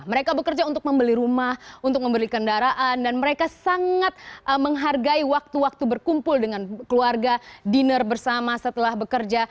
mereka bekerja untuk membeli rumah untuk membeli kendaraan dan mereka sangat menghargai waktu waktu berkumpul dengan keluarga dinner bersama setelah bekerja